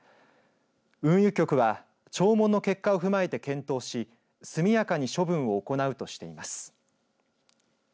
運輸局は聴聞の結果を踏まえて検討し速やかに処分を行うとしています。